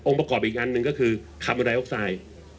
องค์ประกอบอีกอันนึงก็คือคาร์โมนไดออกไซด์